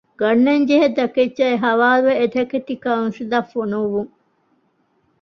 ގަންނަންޖެހޭ ތަކެއްޗާއި ޙަވާލުވެ އެތަކެތި ކައުންސިލަށް ފޮނުވުން.